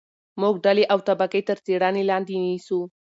موږ ډلې او طبقې تر څېړنې لاندې نیسو.